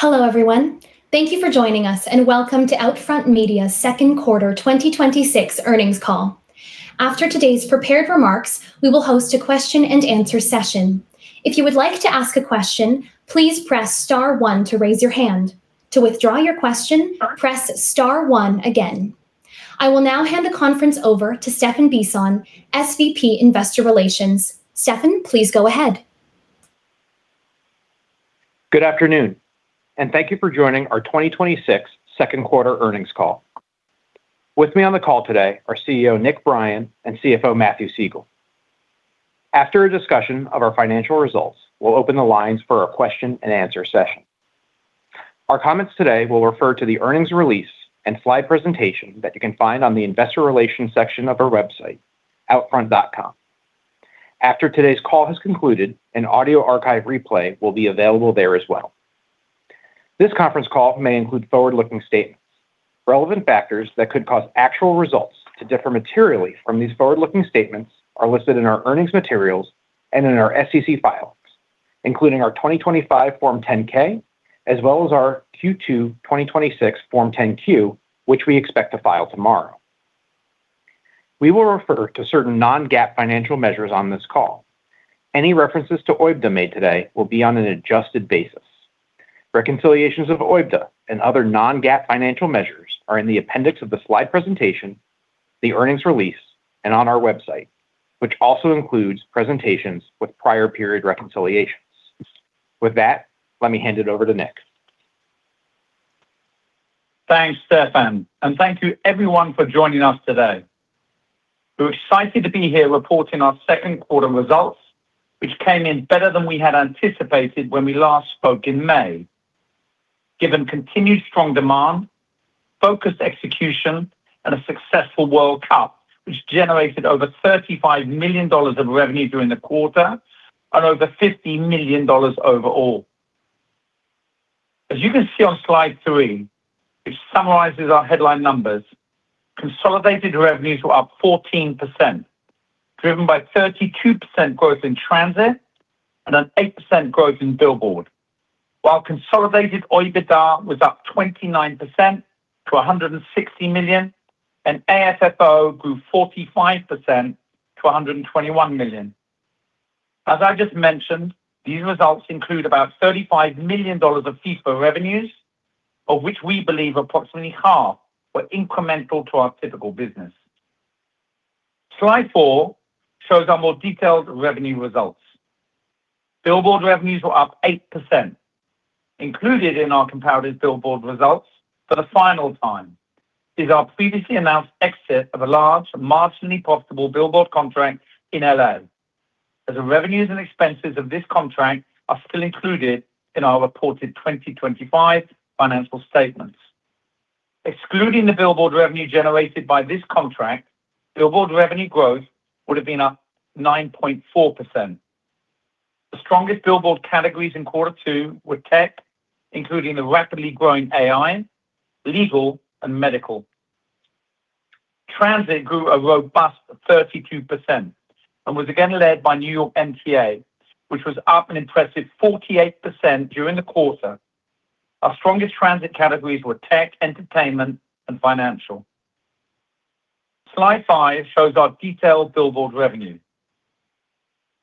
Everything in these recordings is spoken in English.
Hello, everyone. Thank you for joining us and welcome to Outfront Media second quarter 2026 earnings call. After today's prepared remarks, we will host a question and answer session. If you would like to ask a question, please press star one to raise your hand. To withdraw your question, press star one again. I will now hand the conference over to Stephan Bisson, SVP Investor Relations. Stefan, please go ahead. Good afternoon. Thank you for joining our 2026 second quarter earnings call. With me on the call today are CEO Nick Brien and CFO Matthew Siegel. After a discussion of our financial results, we will open the lines for a question and answer session. Our comments today will refer to the earnings release and slide presentation that you can find on the investor relations section of our website, outfront.com. After today's call has concluded, an audio archive replay will be available there as well. This conference call may include forward-looking statements. Relevant factors that could cause actual results to differ materially from these forward-looking statements are listed in our earnings materials and in our SEC filings, including our 2025 Form 10-K, as well as our Q2 2026 Form 10-Q, which we expect to file tomorrow. We will refer to certain non-GAAP financial measures on this call. Any references to OIBDA made today will be on an adjusted basis. Reconciliations of OIBDA and other non-GAAP financial measures are in the appendix of the slide presentation, the earnings release, and on our website, which also includes presentations with prior period reconciliations. With that, let me hand it over to Nick. Thanks, Stefan. Thank you everyone for joining us today. We're excited to be here reporting our second quarter results, which came in better than we had anticipated when we last spoke in May, given continued strong demand, focused execution, and a successful World Cup, which generated over $35 million of revenue during the quarter and over $50 million overall. As you can see on slide three, which summarizes our headline numbers, consolidated revenues were up 14%, driven by 32% growth in transit and an 8% growth in billboard. Consolidated OIBDA was up 29% to $160 million, and AFFO grew 45% to $121 million. As I just mentioned, these results include about $35 million of FIFA revenues, of which we believe approximately half were incremental to our typical business. Slide four shows our more detailed revenue results. Billboard revenues were up 8%. Included in our comparative billboard results for the final time is our previously announced exit of a large marginally possible billboard contract in L.A., as the revenues and expenses of this contract are still included in our reported 2025 financial statements. Excluding the billboard revenue generated by this contract, billboard revenue growth would have been up 9.4%. The strongest billboard categories in quarter two were tech, including the rapidly growing AI, legal, and medical. Transit grew a robust 32% and was again led by New York MTA, which was up an impressive 48% during the quarter. Our strongest transit categories were tech, entertainment, and financial. Slide five shows our detailed billboard revenue.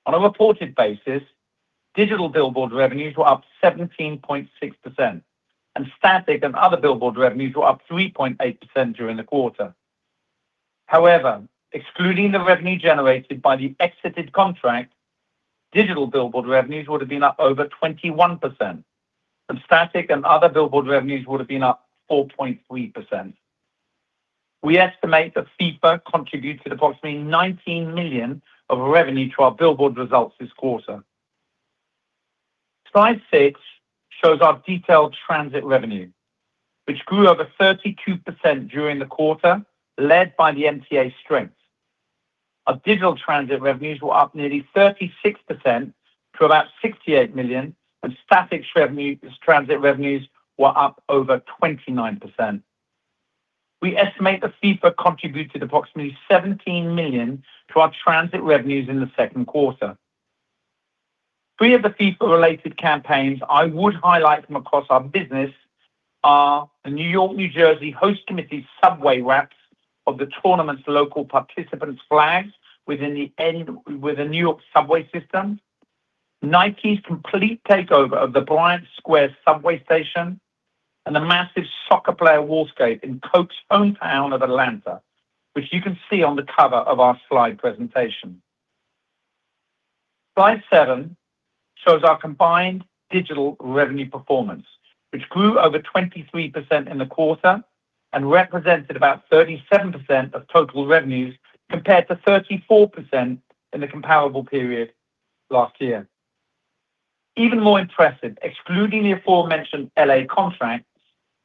On a reported basis, digital billboard revenues were up 17.6% and static and other billboard revenues were up 3.8% during the quarter. Excluding the revenue generated by the exited contract, digital billboard revenues would have been up over 21%, and static and other billboard revenues would have been up 4.3%. We estimate that FIFA contributed approximately $19 million of revenue to our billboard results this quarter. Slide six shows our detailed transit revenue, which grew over 32% during the quarter, led by the MTA's strength. Our digital transit revenues were up nearly 36% to about $68 million, and static transit revenues were up over 29%. We estimate that FIFA contributed approximately $17 million to our transit revenues in the second quarter. Three of the FIFA-related campaigns I would highlight from across our business are the New York-New Jersey host committee subway wraps of the tournament's local participants' flags within the New York subway system, Nike's complete takeover of the Bryant Park subway station, and the massive soccer player wall scape in Coca-Cola's hometown of Atlanta, which you can see on the cover of our slide presentation. Slide seven shows our combined digital revenue performance, which grew over 23% in the quarter and represented about 37% of total revenues, compared to 34% in the comparable period last year. Even more impressive, excluding the aforementioned L.A. contract,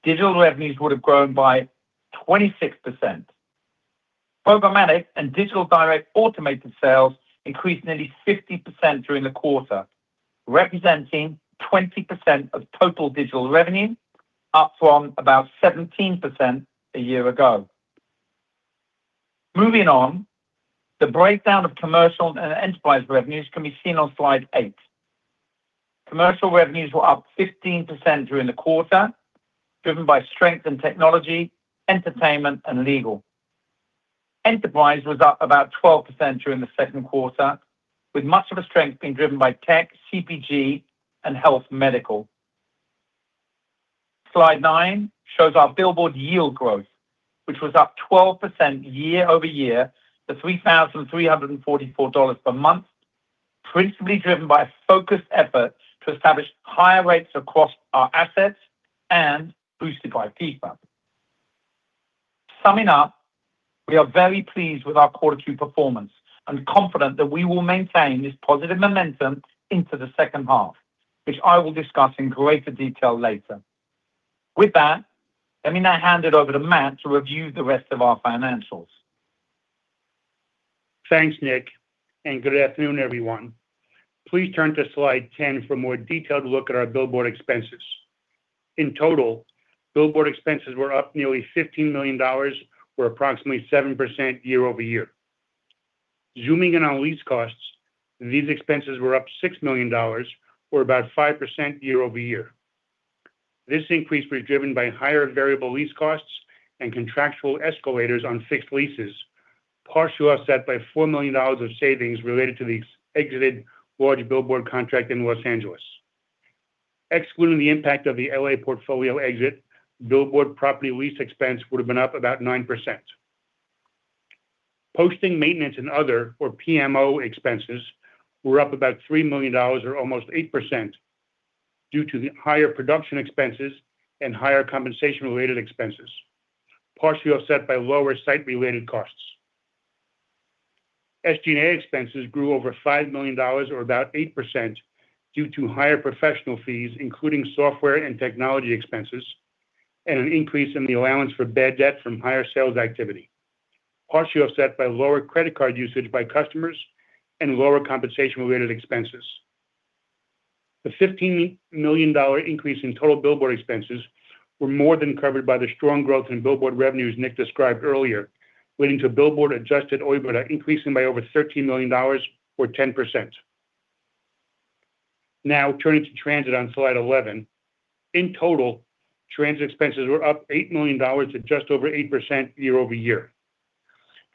digital revenues would have grown by 26%. Programmatic and digital direct automated sales increased nearly 50% during the quarter, representing 20% of total digital revenue, up from about 17% a year ago. Moving on, the breakdown of commercial and enterprise revenues can be seen on slide eight. Commercial revenues were up 15% during the quarter, driven by strength in technology, entertainment, and legal. Enterprise was up about 12% during the second quarter, with much of the strength being driven by tech, CPG, and health medical. Slide nine shows our billboard yield growth, which was up 12% year-over-year to $3,344 per month, principally driven by a focused effort to establish higher rates across our assets and boosted by FIFA. Summing up, we are very pleased with our Quarter 2 performance and confident that we will maintain this positive momentum into the second half, which I will discuss in greater detail later. With that, let me now hand it over to Matt to review the rest of our financials. Thanks, Nick, and good afternoon, everyone. Please turn to slide 10 for a more detailed look at our billboard expenses. In total, billboard expenses were up nearly $15 million, or approximately 7% year-over-year. Zooming in on lease costs, these expenses were up $6 million, or about 5% year-over-year. This increase was driven by higher variable lease costs and contractual escalators on fixed leases, partially offset by $4 million of savings related to the exited large billboard contract in Los Angeles. Excluding the impact of the L.A. portfolio exit, billboard property lease expense would have been up about 9%. Posting maintenance and other, or PMO expenses, were up about $3 million, or almost 8%, due to the higher production expenses and higher compensation-related expenses, partially offset by lower site-related costs. SG&A expenses grew over $5 million, or about 8%, due to higher professional fees, including software and technology expenses, and an increase in the allowance for bad debt from higher sales activity, partially offset by lower credit card usage by customers and lower compensation-related expenses. The $15 million increase in total billboard expenses were more than covered by the strong growth in billboard revenues Nick described earlier, leading to billboard adjusted OIBDA increasing by over $13 million or 10%. Now turning to transit on slide 11. In total, transit expenses were up $8 million to just over 8% year-over-year.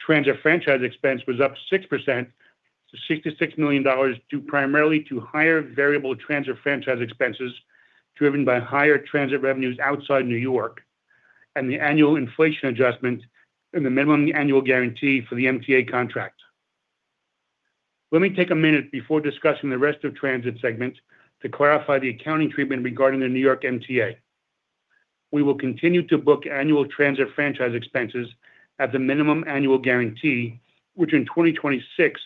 Transit franchise expense was up 6% to $66 million, due primarily to higher variable transit franchise expenses driven by higher transit revenues outside New York, and the annual inflation adjustment and the minimum annual guarantee for the MTA contract. Let me take a minute before discussing the rest of the transit segment to clarify the accounting treatment regarding the New York MTA. We will continue to book annual transit franchise expenses at the minimum annual guarantee, which in 2026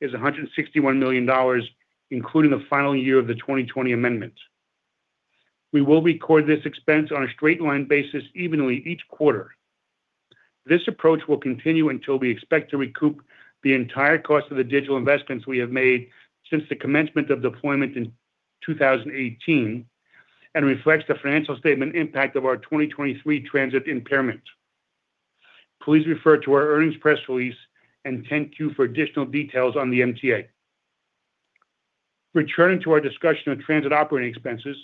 is $161 million, including the final year of the 2020 amendment. We will record this expense on a straight line basis evenly each quarter. This approach will continue until we expect to recoup the entire cost of the digital investments we have made since the commencement of deployment in 2018, and reflects the financial statement impact of our 2023 transit impairment. Please refer to our earnings press release and 10-Q for additional details on the MTA. Returning to our discussion of transit operating expenses,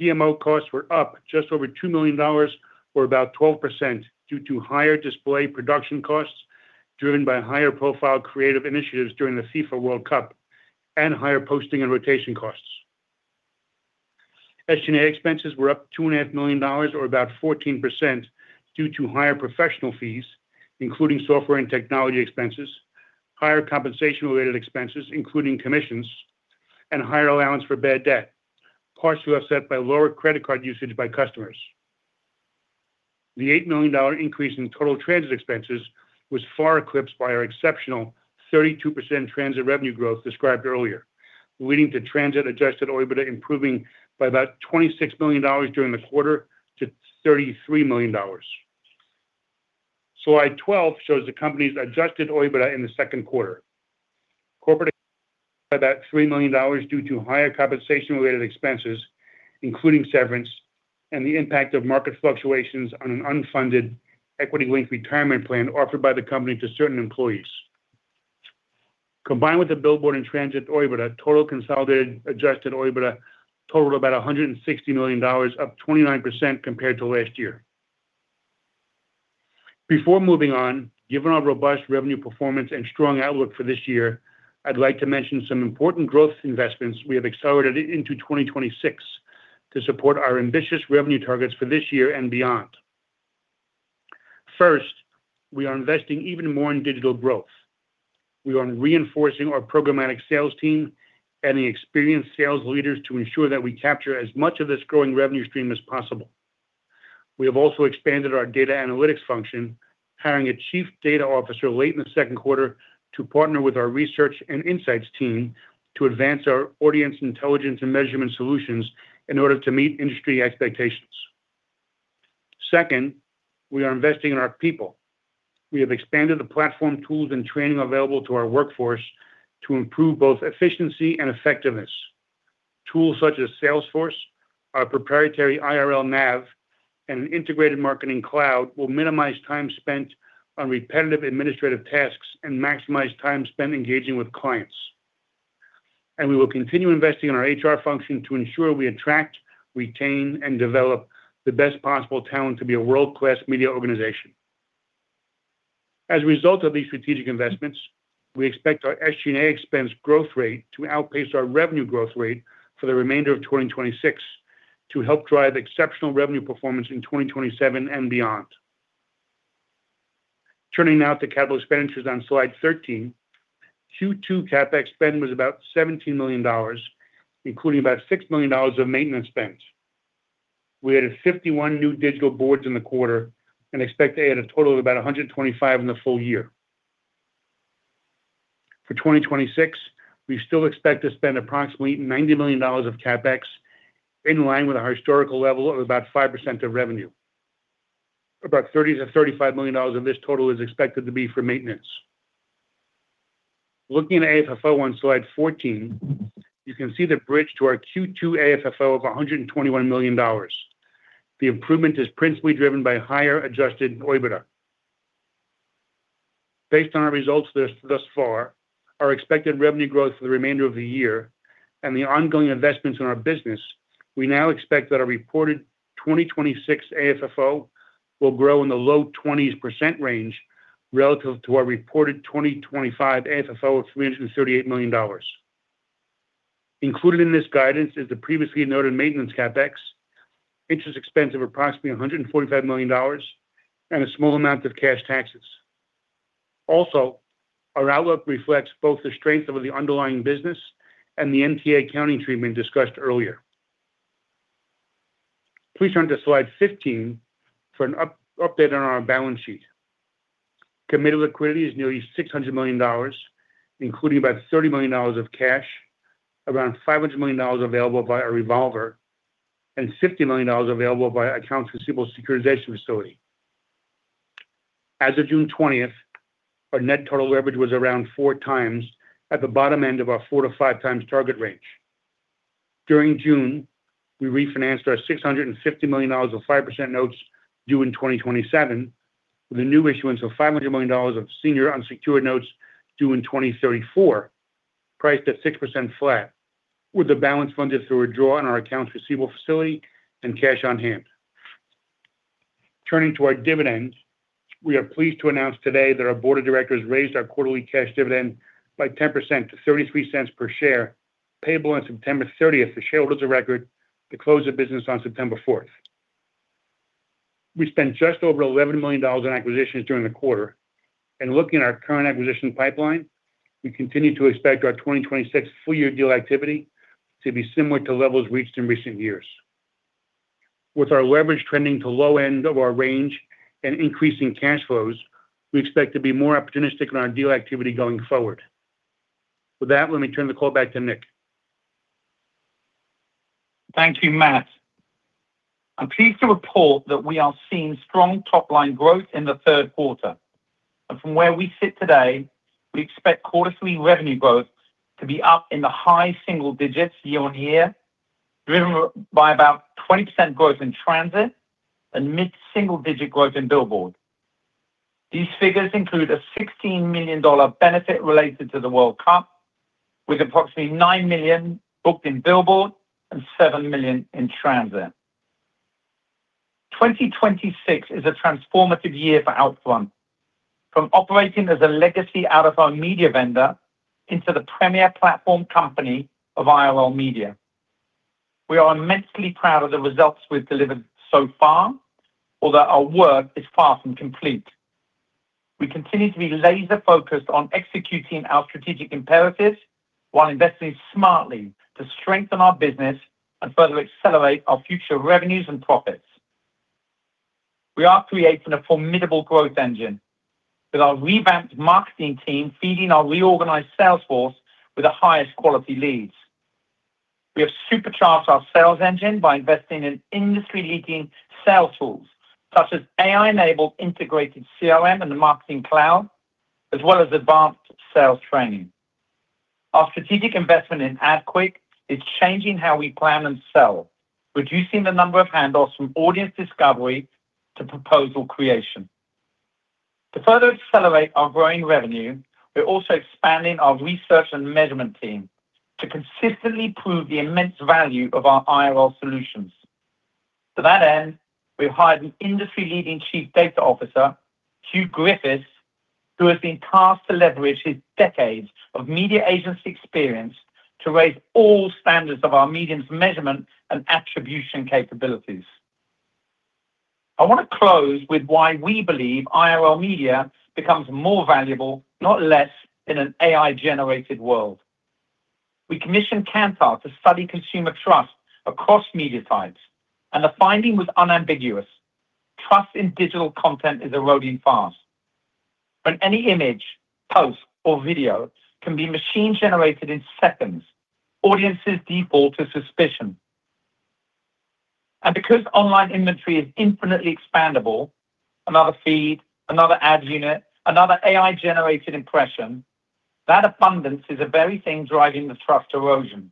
PMO costs were up just over $2 million or about 12% due to higher display production costs driven by higher profile creative initiatives during the FIFA World Cup and higher posting and rotation costs. SG&A expenses were up $2.5 million, or about 14%, due to higher professional fees, including software and technology expenses, higher compensation-related expenses, including commissions, and higher allowance for bad debt, partially offset by lower credit card usage by customers. The $8 million increase in total transit expenses was far eclipsed by our exceptional 32% transit revenue growth described earlier, leading to transit-adjusted OIBDA improving by about $26 million during the quarter to $33 million. Slide 12 shows the company's adjusted OIBDA in the second quarter. Corporate about $3 million due to higher compensation-related expenses, including severance and the impact of market fluctuations on an unfunded equity link retirement plan offered by the company to certain employees. Combined with the billboard and transit OIBDA, total consolidated adjusted OIBDA totaled about $160 million, up 29% compared to last year. Before moving on, given our robust revenue performance and strong outlook for this year, I'd like to mention some important growth investments we have accelerated into 2026 to support our ambitious revenue targets for this year and beyond. We are investing even more in digital growth. We are reinforcing our programmatic sales team and the experienced sales leaders to ensure that we capture as much of this growing revenue stream as possible. We have also expanded our data analytics function, hiring a Chief Data Officer late in the second quarter to partner with our research and insights team to advance our audience intelligence and measurement solutions in order to meet industry expectations. We are investing in our people. We have expanded the platform tools and training available to our workforce to improve both efficiency and effectiveness. Tools such as Salesforce, our proprietary IRL Nav, and an integrated marketing cloud will minimize time spent on repetitive administrative tasks and maximize time spent engaging with clients. We will continue investing in our HR function to ensure we attract, retain, and develop the best possible talent to be a world-class media organization. As a result of these strategic investments, we expect our SG&A expense growth rate to outpace our revenue growth rate for the remainder of 2026 to help drive exceptional revenue performance in 2027 and beyond. Turning now to capital expenditures on slide 13, Q2 CapEx spend was about $17 million, including about $6 million of maintenance spend. We added 51 new digital boards in the quarter and expect to add a total of about 125 in the full year. For 2026, we still expect to spend approximately $90 million of CapEx, in line with our historical level of about 5% of revenue. About $30 million-$35 million of this total is expected to be for maintenance. Looking at AFFO on slide 14, you can see the bridge to our Q2 AFFO of $121 million. The improvement is principally driven by higher adjusted OIBDA. Based on our results thus far, our expected revenue growth for the remainder of the year, and the ongoing investments in our business, we now expect that our reported 2026 AFFO will grow in the low 20s% range relative to our reported 2025 AFFO of $338 million. Included in this guidance is the previously noted maintenance CapEx, interest expense of approximately $145 million, and a small amount of cash taxes. Also, our outlook reflects both the strength of the underlying business and the MTA accounting treatment discussed earlier. Please turn to slide 15 for an update on our balance sheet. Committed liquidity is nearly $600 million, including about $30 million of cash, around $500 million available via a revolver, and $50 million available via accounts receivable securitization facility. As of June 20th, our net total leverage was around four times, at the bottom end of our four to five times target range. During June, we refinanced our $650 million of 5% notes due in 2027 with a new issuance of $500 million of senior unsecured notes due in 2034, priced at 6% flat, with the balance funded through a draw on our accounts receivable facility and cash on hand. Turning to our dividends, we are pleased to announce today that our board of directors raised our quarterly cash dividend by 10% to $0.33 per share, payable on September 30th to shareholders of record to close their business on September 4th. We spent just over $11 million in acquisitions during the quarter. Looking at our current acquisition pipeline, we continue to expect our 2026 full year deal activity to be similar to levels reached in recent years. With our leverage trending to low end of our range and increasing cash flows, we expect to be more opportunistic in our deal activity going forward. With that, let me turn the call back to Nick. Thank you, Matt. I am pleased to report that we are seeing strong top-line growth in the third quarter. From where we sit today, we expect quarterly revenue growth to be up in the high single digits year-over-year, driven by about 20% growth in transit and mid-single digit growth in billboard. These figures include a $16 million benefit related to the World Cup, with approximately $9 million booked in billboard and $7 million in transit. 2026 is a transformative year for Outfront, from operating as a legacy out-of-home media vendor into the premier platform company of IRL Media. We are immensely proud of the results we have delivered so far, although our work is far from complete. We continue to be laser-focused on executing our strategic imperatives while investing smartly to strengthen our business and further accelerate our future revenues and profits. We are creating a formidable growth engine with our revamped marketing team feeding our reorganized Salesforce with the highest quality leads. We have supercharged our sales engine by investing in industry-leading sales tools, such as AI-enabled integrated CRM and the marketing cloud, as well as advanced sales training. Our strategic investment in AdQuick is changing how we plan and sell, reducing the number of handoffs from audience discovery to proposal creation. To further accelerate our growing revenue, we are also expanding our research and measurement team to consistently prove the immense value of our IRL solutions. To that end, we have hired an industry-leading Chief Data Officer, Huw Griffiths, who has been tasked to leverage his decades of media agency experience to raise all standards of our medium's measurement and attribution capabilities. I want to close with why we believe IRL Media becomes more valuable, not less, in an AI-generated world. We commissioned Kantar to study consumer trust across media types, and the finding was unambiguous. Trust in digital content is eroding fast. When any image, post, or video can be machine-generated in seconds, audiences default to suspicion. Because online inventory is infinitely expandable, another feed, another ad unit, another AI-generated impression, that abundance is the very thing driving the trust erosion.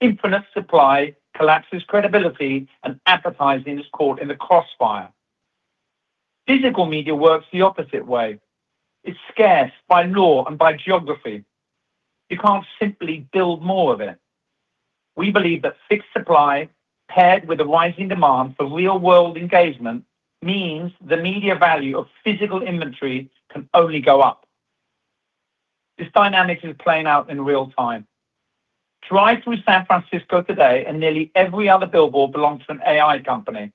Infinite supply collapses credibility, and advertising is caught in the crossfire. Physical media works the opposite way. It's scarce by law and by geography. You can't simply build more of it. We believe that fixed supply, paired with the rising demand for real-world engagement, means the media value of physical inventory can only go up. This dynamic is playing out in real time. Drive through San Francisco today, and nearly every other billboard belongs to an AI company.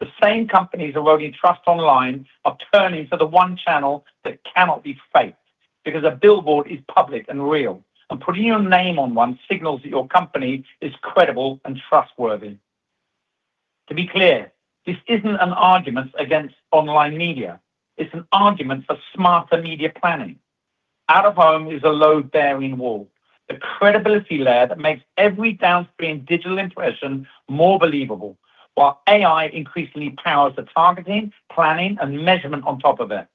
The same companies eroding trust online are turning to the one channel that cannot be faked, because a billboard is public and real, and putting your name on one signals that your company is credible and trustworthy. To be clear, this isn't an argument against online media. It's an argument for smarter media planning. Out-of-home is a load-bearing wall, the credibility layer that makes every downstream digital impression more believable, while AI increasingly powers the targeting, planning, and measurement on top of it.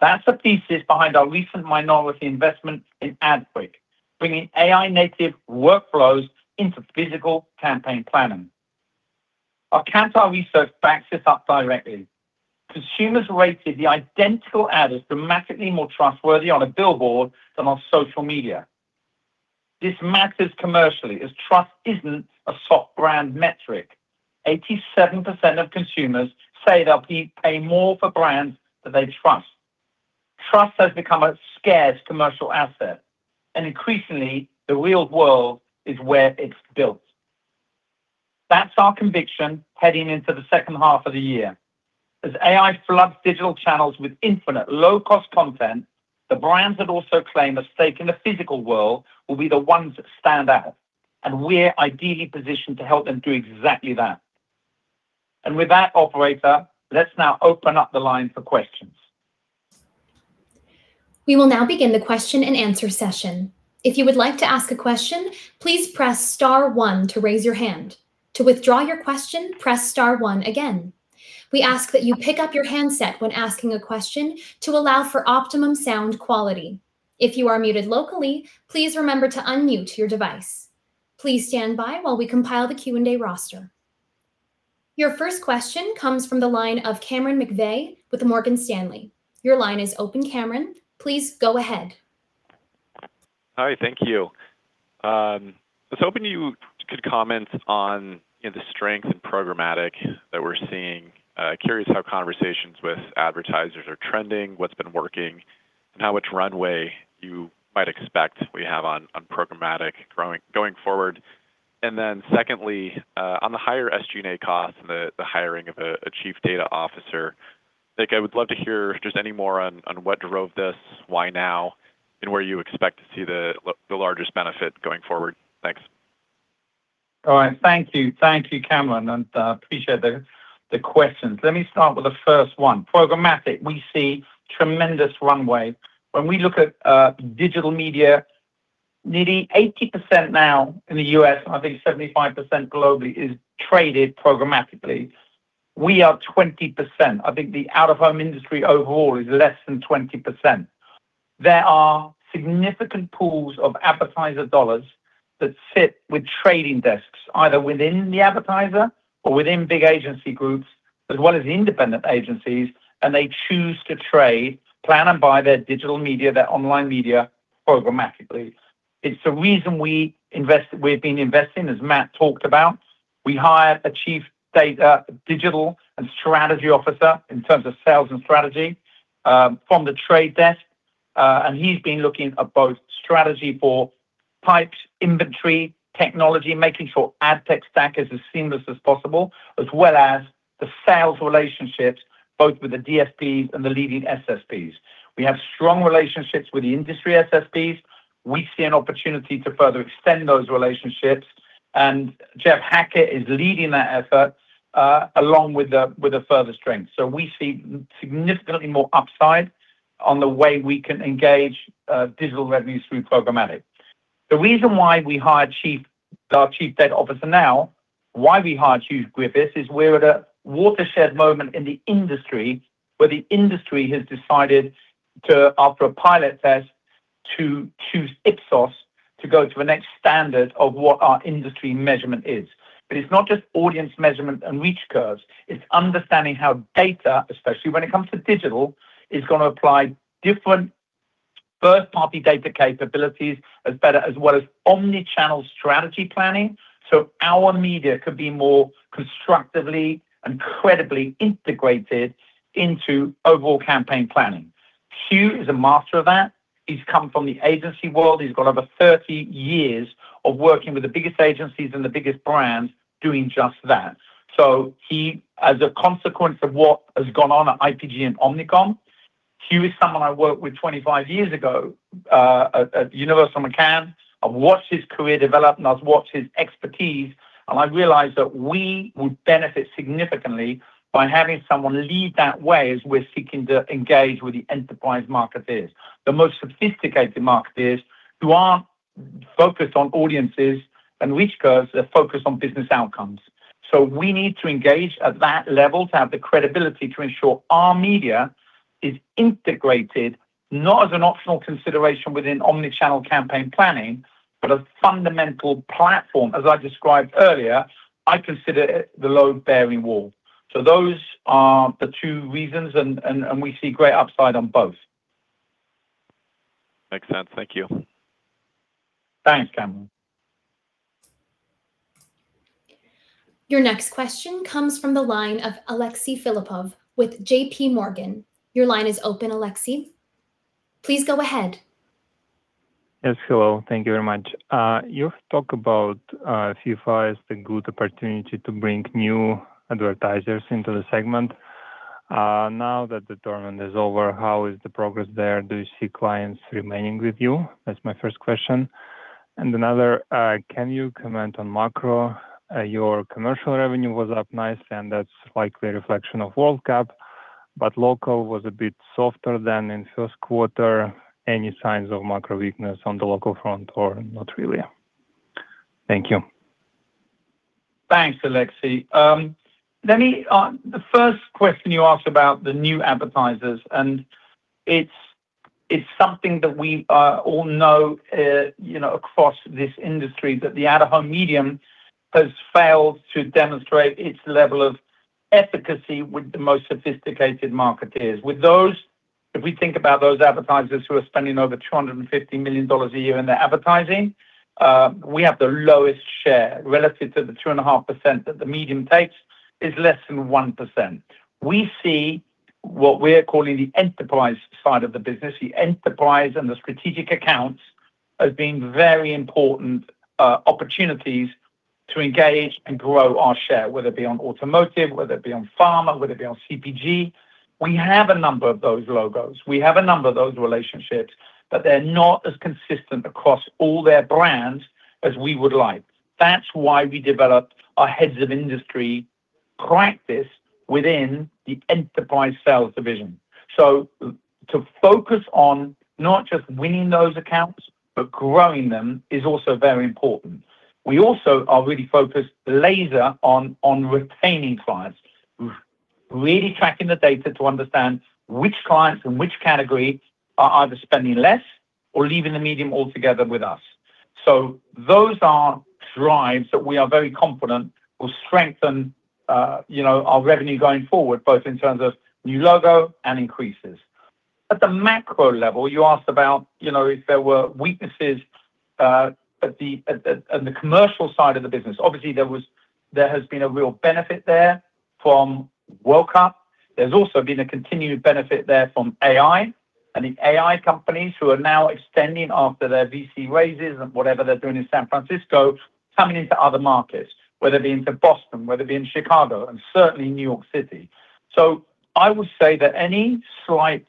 That's the thesis behind our recent minority investment in AdQuick, bringing AI-native workflows into physical campaign planning. Our Kantar research backs this up directly. Consumers rated the identical ad as dramatically more trustworthy on a billboard than on social media. This matters commercially, as trust isn't a soft brand metric. 87% of consumers say they'll pay more for brands that they trust. Trust has become a scarce commercial asset, and increasingly, the real world is where it's built. That's our conviction heading into the second half of the year. As AI floods digital channels with infinite low-cost content, the brands that also claim a stake in the physical world will be the ones that stand out, and we're ideally positioned to help them do exactly that. With that, operator, let's now open up the line for questions. We will now begin the question and answer session. If you would like to ask a question, please press star one to raise your hand. To withdraw your question, press star one again. We ask that you pick up your handset when asking a question to allow for optimum sound quality. If you are muted locally, please remember to unmute your device. Please stand by while we compile the Q&A roster. Your first question comes from the line of Cameron McVeigh with Morgan Stanley. Your line is open, Cameron. Please go ahead. Hi, thank you. I was hoping you could comment on the strength in programmatic that we're seeing. Curious how conversations with advertisers are trending, what's been working, and how much runway you might expect we have on programmatic going forward. Secondly, on the higher SG&A cost and the hiring of a Chief Data Officer, I think I would love to hear just any more on what drove this, why now, and where you expect to see the largest benefit going forward. Thanks. All right. Thank you. Thank you, Cameron, appreciate the questions. Let me start with the first one. Programmatic, we see tremendous runway. When we look at digital media, nearly 80% now in the U.S., I think 75% globally, is traded programmatically. We are 20%. I think the out-of-home industry overall is less than 20%. There are significant pools of advertiser dollars that sit with trading desks, either within the advertiser or within big agency groups, as well as independent agencies, they choose to trade, plan, and buy their digital media, their online media programmatically. It's the reason we've been investing, as Matt talked about. We hired a Chief Data Digital and Strategy Officer in terms of sales and strategy from The Trade Desk, he's been looking at both strategy for types, inventory, technology, making sure ad tech stack is as seamless as possible, as well as the sales relationships, both with the DSPs and the leading SSPs. We have strong relationships with the industry SSPs. We see an opportunity to further extend those relationships, Jeff Hackett is leading that effort along with a further strength. We see significantly more upside on the way we can engage digital revenues through programmatic. The reason why we hired our Chief Data Officer now, why we hired Huw Griffiths, is we're at a watershed moment in the industry where the industry has decided to, after a pilot test, to choose Ipsos to go to a next standard of what our industry measurement is. It's not just audience measurement and reach curves. It's understanding how data, especially when it comes to digital, is going to apply different first-party data capabilities as better, as well as omni-channel strategy planning. Our media could be more constructively and credibly integrated into overall campaign planning. Huw is a master of that. He's come from the agency world. He's got over 30 years of working with the biggest agencies and the biggest brands doing just that. He, as a consequence of what has gone on at IPG and Omnicom, Huw is someone I worked with 25 years ago at Universal McCann. I've watched his career develop, I've watched his expertise, I've realized that we would benefit significantly by having someone lead that way as we're seeking to engage with the enterprise marketers, the most sophisticated marketers who are focused on audiences and reach curves that focus on business outcomes. We need to engage at that level to have the credibility to ensure our media is integrated, not as an optional consideration within omni-channel campaign planning, but a fundamental platform. As I described earlier, I consider it the load-bearing wall. Those are the two reasons, and we see great upside on both. Makes sense. Thank you. Thanks, Cameron. Your next question comes from the line of Alexey Filippov with JP Morgan. Your line is open, Alexey. Please go ahead. Yes, hello. Thank you very much. You talk about FIFA as the good opportunity to bring new advertisers into the segment. Now that the tournament is over, how is the progress there? Do you see clients remaining with you? That's my first question. Can you comment on macro? Your commercial revenue was up nicely, and that's likely a reflection of World Cup, but local was a bit softer than in first quarter. Any signs of macro weakness on the local front or not really? Thank you. Thanks, Alexey. The first question you asked about the new advertisers, it's something that we all know across this industry, that the out-of-home medium has failed to demonstrate its level of efficacy with the most sophisticated marketeers. If we think about those advertisers who are spending over $250 million a year in their advertising, we have the lowest share. Relative to the 2.5% that the medium takes, it's less than 1%. We see what we're calling the enterprise side of the business, the enterprise and the strategic accounts, as being very important opportunities to engage and grow our share, whether it be on automotive, whether it be on pharma, whether it be on CPG. We have a number of those logos. We have a number of those relationships, but they're not as consistent across all their brands as we would like. That's why we developed our heads of industry practice within the enterprise sales division. To focus on not just winning those accounts, but growing them, is also very important. We also are really focused laser on retaining clients, really tracking the data to understand which clients and which category are either spending less or leaving the medium altogether with us. Those are drives that we are very confident will strengthen our revenue going forward, both in terms of new logo and increases. At the macro level, you asked about if there were weaknesses at the commercial side of the business. Obviously, there has been a real benefit there from World Cup. There's also been a continued benefit there from AI, the AI companies who are now extending after their VC raises and whatever they're doing in San Francisco, coming into other markets, whether it be into Boston, whether it be in Chicago, and certainly New York City. I would say that any slight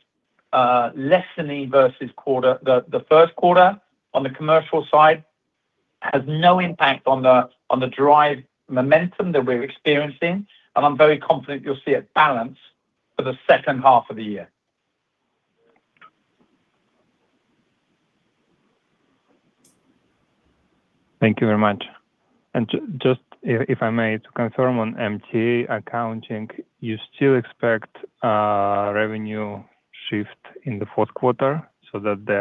lessening versus the first quarter on the commercial side has no impact on the drive momentum that we're experiencing, and I'm very confident you'll see it balance for the second half of the year. Thank you very much. Just, if I may, to confirm on MTA accounting, you still expect a revenue shift in the fourth quarter so that the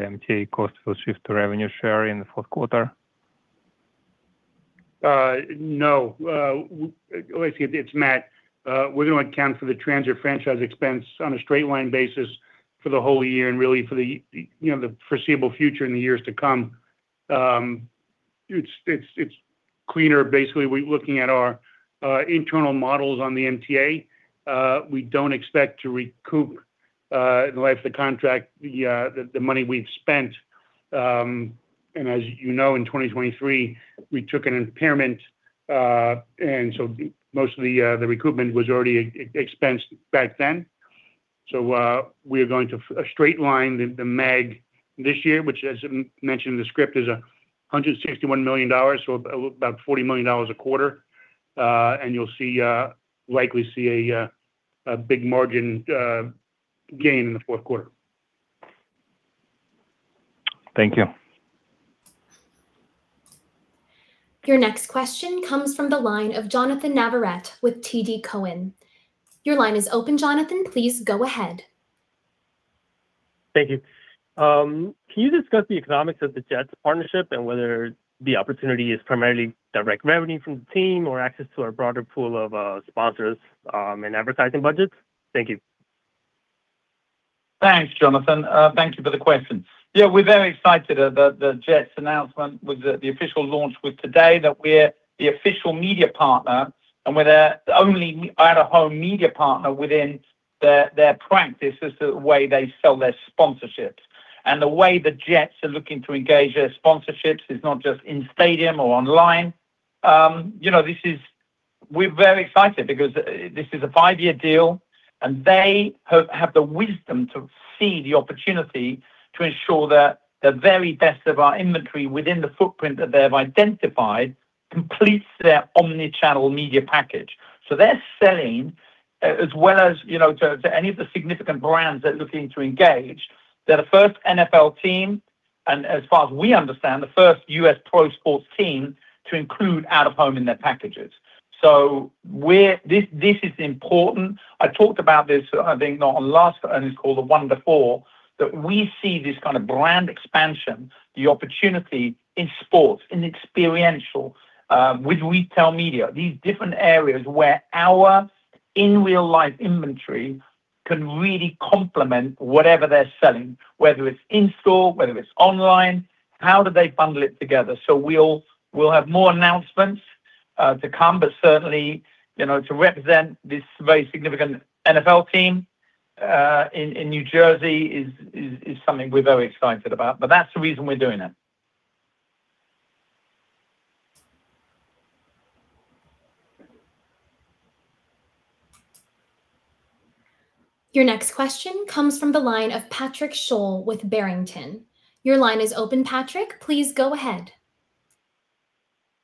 MTA cost will shift to revenue share in the fourth quarter? No. Alexey, it's Matt. We're going to account for the transit franchise expense on a straight line basis for the whole year and really for the foreseeable future in the years to come. It's cleaner. Basically, we're looking at our internal models on the MTA. We don't expect to recoup, in the life of the contract, the money we've spent. As you know, in 2023, we took an impairment, so most of the recoupment was already expensed back then. We're going to straight line the MAG this year, which, as mentioned in the script, is $161 million, so about $40 million a quarter. You'll likely see a big margin gain in the fourth quarter. Thank you. Your next question comes from the line of Jonathan Navarette with TD Cowen. Your line is open, Jonathan. Please go ahead. Thank you. Can you discuss the economics of the Jets partnership and whether the opportunity is primarily direct revenue from the team or access to a broader pool of sponsors and advertising budgets? Thank you. Thanks, Jonathan. Thank you for the question. Yeah, we're very excited. The Jets announcement with the official launch today that we're the official media partner and we're their only out-of-home media partner within their practice as to the way they sell their sponsorships. The way the Jets are looking to engage their sponsorships is not just in stadium or online. We're very excited because this is a five-year deal, and they have the wisdom to see the opportunity to ensure that the very best of our inventory within the footprint that they've identified completes their omni-channel media package. They're selling As well as to any of the significant brands that are looking to engage, they're the first NFL team, and as far as we understand, the first U.S. pro sports team to include out-of-home in their packages. This is important. I talked about this, I think on our last earnings call, the one before, that we see this kind of brand expansion, the opportunity in sports, in experiential, with retail media. These different areas where our in-real-life inventory can really complement whatever they're selling, whether it's in-store, whether it's online, how do they bundle it together? We'll have more announcements to come, but certainly, to represent this very significant NFL team in New Jersey is something we're very excited about. That's the reason we're doing it. Your next question comes from the line of Patrick Sholl with Barrington. Your line is open, Patrick. Please go ahead.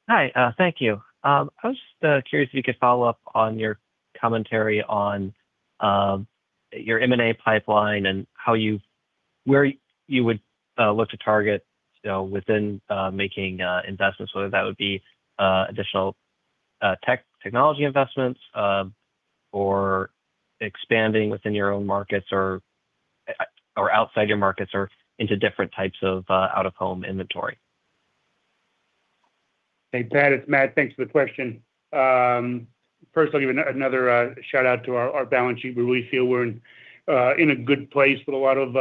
Hi. Thank you. I was just curious if you could follow up on your commentary on your M&A pipeline and where you would look to target within making investments, whether that would be additional technology investments, or expanding within your own markets, or outside your markets or into different types of out-of-home inventory. Hey, Pat, it's Matt. Thanks for the question. First I'll give another shout-out to our balance sheet. We really feel we're in a good place with a lot of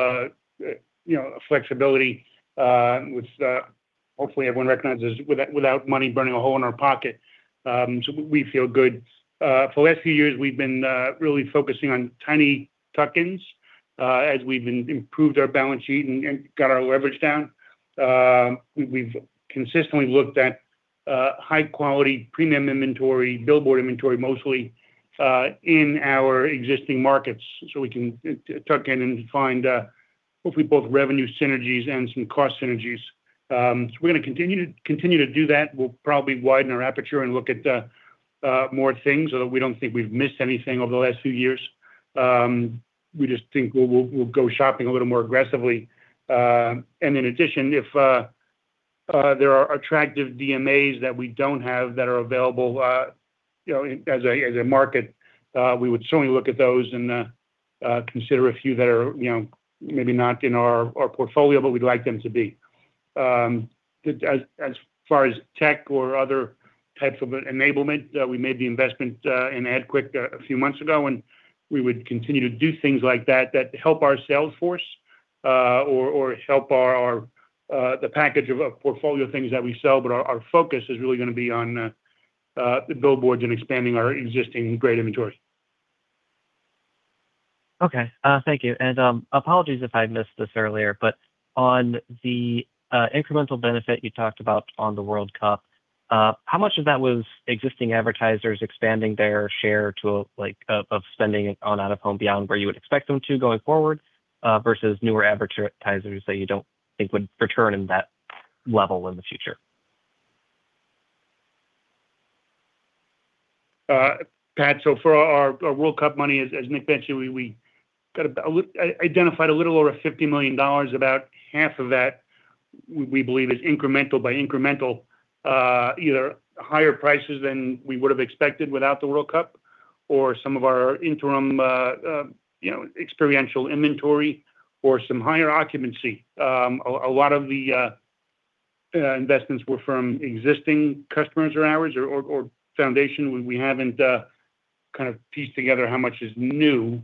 flexibility, which hopefully everyone recognizes, without money burning a hole in our pocket. We feel good. For the last few years, we've been really focusing on tiny tuck-ins. As we've improved our balance sheet and got our leverage down, we've consistently looked at high-quality, premium inventory, billboard inventory mostly, in our existing markets so we can tuck in and find hopefully both revenue synergies and some cost synergies. We're going to continue to do that. We'll probably widen our aperture and look at more things, although we don't think we've missed anything over the last few years. We just think we'll go shopping a little more aggressively. In addition, if there are attractive DMAs that we don't have that are available as a market, we would certainly look at those and consider a few that are maybe not in our portfolio, but we'd like them to be. As far as tech or other types of enablement, we made the investment in AdQuick a few months ago, and we would continue to do things like that help our sales force, or help the package of portfolio things that we sell. Our focus is really going to be on the billboards and expanding our existing great inventories. Okay. Thank you. Apologies if I missed this earlier, on the incremental benefit you talked about on the World Cup, how much of that was existing advertisers expanding their share of spending on out-of-home beyond where you would expect them to going forward, versus newer advertisers that you don't think would return in that level in the future? Patrick, for our World Cup money, as Nick mentioned, we identified a little over $50 million. About half of that we believe is incremental by incremental, either higher prices than we would've expected without the World Cup or some of our interim experiential inventory or some higher occupancy. A lot of the investments were from existing customers or ours or foundation. We haven't pieced together how much is new.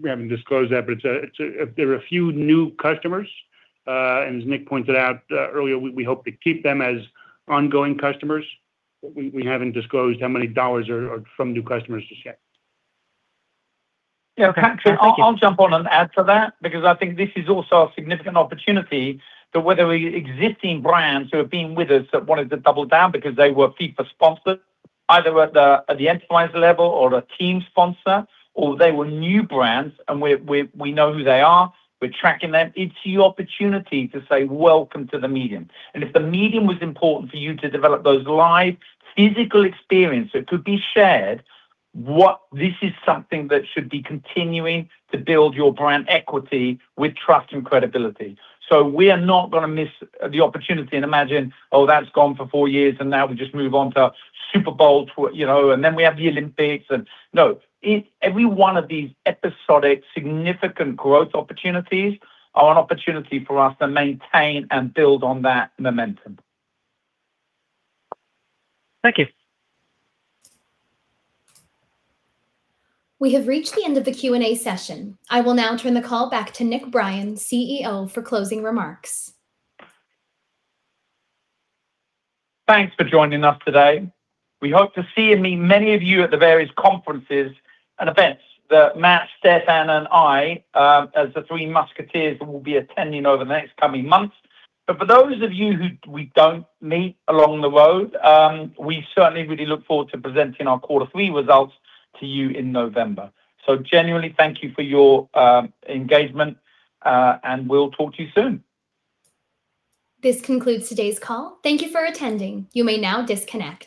We haven't disclosed that, but there are a few new customers, and as Nick pointed out earlier, we hope to keep them as ongoing customers. We haven't disclosed how many dollars are from new customers just yet. Yeah, Patrick, I'll jump on and add to that because I think this is also a significant opportunity that whether we're existing brands who have been with us that wanted to double down because they were FIFA sponsors, either at the advertiser level or a team sponsor, or they were new brands and we know who they are, we're tracking them. It's your opportunity to say, "Welcome to the medium." If the medium was important for you to develop those live physical experiences that could be shared, this is something that should be continuing to build your brand equity with trust and credibility. We are not going to miss the opportunity and imagine, "Oh, that's gone for four years, and now we just move on to Super Bowl, and then we have the Olympics," no. Every one of these episodic significant growth opportunities are an opportunity for us to maintain and build on that momentum. Thank you. We have reached the end of the Q&A session. I will now turn the call back to Nick Brien, CEO, for closing remarks. Thanks for joining us today. We hope to see and meet many of you at the various conferences and events that Matt, Stefan, and I, as the Three Musketeers, will be attending over the next coming months. For those of you who we don't meet along the road, we certainly really look forward to presenting our Quarter 3 results to you in November. Genuinely thank you for your engagement, and we'll talk to you soon. This concludes today's call. Thank you for attending. You may now disconnect.